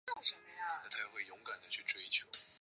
以下时间以日本当地时间为准